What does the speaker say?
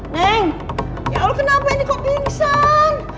neng ya allah kenapa ini kok pingsan